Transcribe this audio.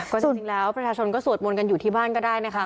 ก็จริงแล้วประชาชนก็สวดมนต์กันอยู่ที่บ้านก็ได้นะคะ